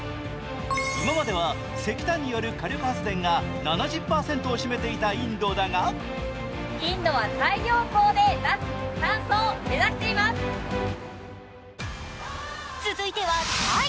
今までは石炭による火力発電が７０％を占めていたインドだが続いてはタイ。